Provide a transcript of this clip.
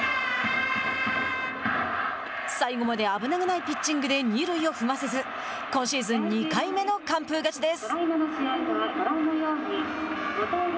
最後まで危なげないピッチングで二塁を踏ませず今シーズン２回目の完封勝ちです。